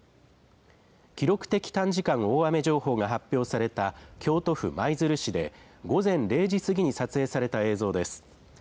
記録的短時間大雨情報が発表された京都府舞鶴市で、午前０時過ぎに撮影された映像です。